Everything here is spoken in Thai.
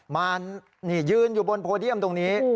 มานี่ยืนอยู่บนโพเดียมตรงนี้